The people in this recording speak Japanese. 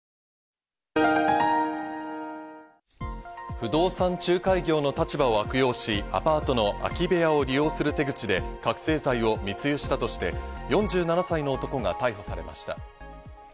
不動産仲介業の立場を悪用し、アパートの空き部屋を利用する手口で覚せい剤を密輸したとして、４７歳の男が逮捕されました。